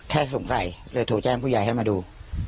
สงสัยเลยโทรแจ้งผู้ใหญ่ให้มาดู